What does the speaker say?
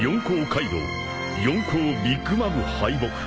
カイドウ四皇ビッグ・マム敗北」］